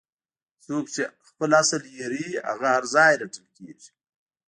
څوک چې خپل اصل هیروي هغه هر ځای رټل کیږي.